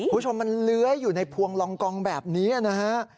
คุณผู้ชมมันเลื้อยอยู่ในพวงลองกองแบบนี้นะฮะ